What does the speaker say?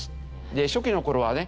で初期の頃はね